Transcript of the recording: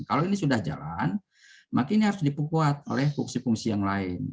kalau ini sudah jalan maka ini harus diperkuat oleh fungsi fungsi yang lain